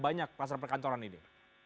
banyak pasal perkantoran ini